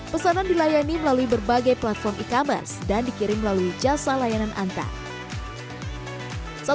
pesanan dilayani melalui berbagai platform e commerce dan dikirim melalui jasa layanan antar saat